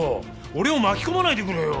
俺を巻き込まないでくれよ！